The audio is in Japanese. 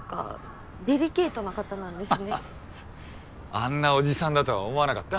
あんなおじさんだとは思わなかった？